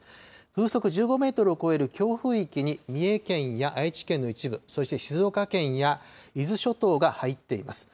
風速１５メートルを超える強風域に、三重県や愛知県の一部、そして静岡県や伊豆諸島が入っています。